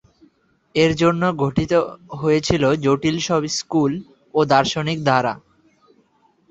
এর জন্য গঠিত হয়েছিল জটিল সব স্কুল ও দার্শনিক ধারা।